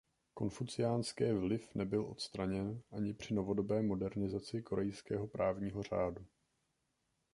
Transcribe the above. Konfuciánské vliv nebyl odstraněn ani při novodobé modernizaci korejského právního řádu.